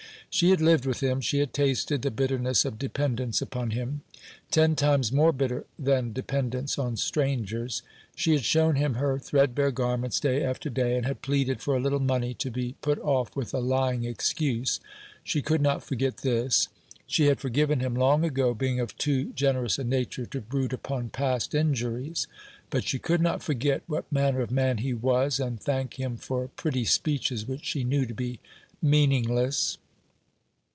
She had lived with him; she had tasted the bitterness of dependence upon him ten times more bitter than dependence on strangers. She had shown him her threadbare garments day after day, and had pleaded for a little money, to be put off with a lying excuse. She could not forget this. She had forgiven him long ago, being of too generous a nature to brood upon past injuries. But she could not forget what manner of man he was, and thank him for pretty speeches which she knew to be meaningless.